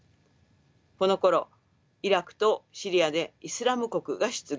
このころイラクとシリアでイスラム国が出現。